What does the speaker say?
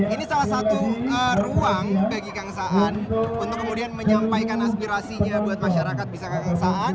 ini salah satu ruang bagi kang saan untuk kemudian menyampaikan aspirasinya buat masyarakat bisa kang saan